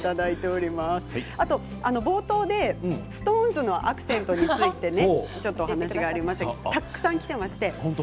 冒頭でＳｉｘＴＯＮＥＳのアクセントについてお話がありましたけどたくさん来ています。